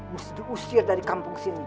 mesti diusir dari kampung sini